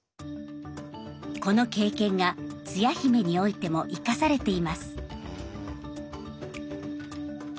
この経験がつや姫においても生かされています。